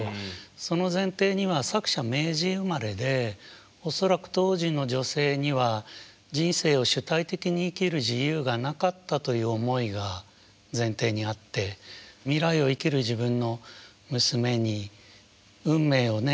その前提には作者明治生まれで恐らく当時の女性には人生を主体的に生きる自由がなかったという思いが前提にあって未来を生きる自分の娘に運命をね